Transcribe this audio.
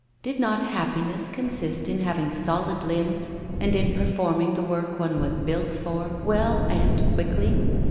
Did not happiness consist in having solid limbs, and in performing the work one was built for well and quickly?